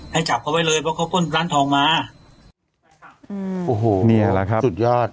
ให้จับเขาไว้เลยเพราะเขาปล้นร้านทองมาอืมโอ้โหเนี่ยแหละครับสุดยอด